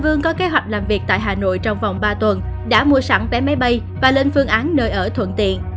vương có kế hoạch làm việc tại hà nội trong vòng ba tuần đã mua sẵn vé máy bay và lên phương án nơi ở thuận tiện